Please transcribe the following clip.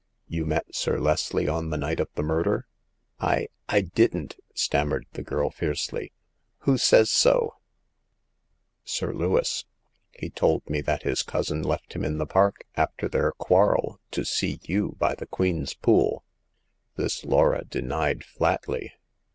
" You met Sir Leslie on the night of the murder ?" 222 Hagar of the Pawn Shop. " I— I didn't !" stammered the girl, fiercely. " Who says so ?"'' Sir Lewis. He told me that his cousin left him in the park — after their quarrel— to see you by the Queen's Pool." This Laura denied flatly.